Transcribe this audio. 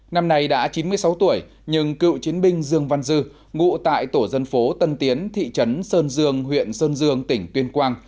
năm nay đã chín mươi sáu tuổi nhưng cựu chiến binh dương văn dư ngụ tại tổ dân phố tân tiến thị trấn sơn dương huyện sơn dương tỉnh tuyên quang